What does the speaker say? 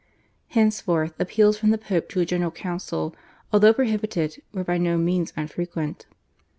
Henceforth appeals from the Pope to a General Council, although prohibited, were by no means unfrequent.